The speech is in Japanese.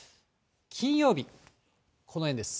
金曜日、この辺です。